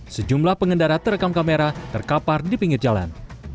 sejumlah pengendara terekam kamera terkapar di pinggir jalan